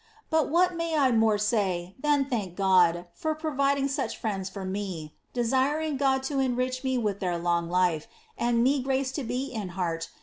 But what may I more say than thank Go<l for providing such friends for T:.e. Je»iring Grxl to enrich me with their long life, and me grace to be in heart